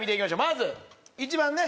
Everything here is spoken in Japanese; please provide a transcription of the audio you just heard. まず一番ね